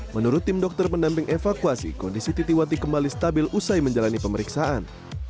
menurut tim dokter pendamping evakuasi kondisi titiwati kembali stabil usai menjalani pemeriksaan